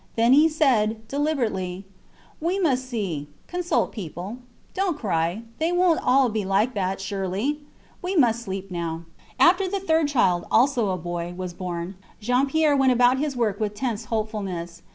Then he said, deliberately We must see ... consult people. Dont cry. ... They wont all be like that ... surely! We must sleep now. After the third child, also a boy, was born, Jean Pierre went about his work with tense hopefulness.